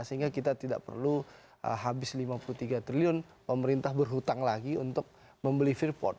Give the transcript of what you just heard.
sehingga kita tidak perlu habis lima puluh tiga triliun pemerintah berhutang lagi untuk membeli freeport